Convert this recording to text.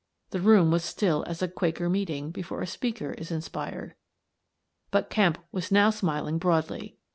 The room was still as a Quaker meeting before a speaker is inspired. But Kemp was now smiling broadly.